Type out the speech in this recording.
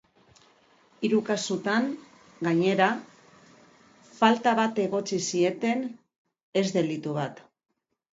Hiru kasuotan, gainera, falta bat egotzi zieten, ez delitu bat.